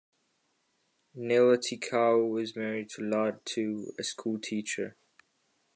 Nailatikau is married to Latu, a schoolteacher.